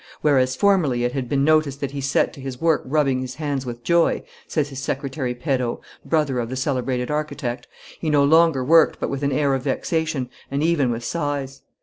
"Whereas formerly it had been noticed that he set to his work rubbing his hands with joy," says his secretary Perrault, brother of the celebrated architect, "he no longer worked but with an air of vexation, and even with sighs.